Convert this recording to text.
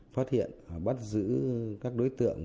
phát hiện bắt giữ các đối tượng